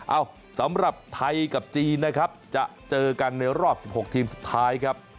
เอ้าสำหรับไทยกับจีนนะครับจะเจอกันในรอบ๑๖ทีมสุดท้ายครับ